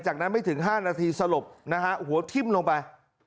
จากนั้นไม่ถึง๕นาทีสลบนะฮะหัวทิ้มลงไป